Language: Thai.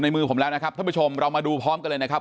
มือผมแล้วนะครับท่านผู้ชมเรามาดูพร้อมกันเลยนะครับ